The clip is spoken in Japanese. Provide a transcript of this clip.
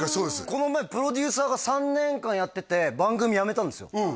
この前プロデューサーが３年間やってて番組やめたんですよ